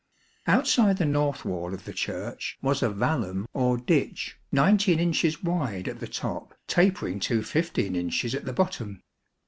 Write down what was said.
Outside the north wall of the Church was a vallum or ditch, 19 inches wide at the top, tapering to 15 inches at the bottom.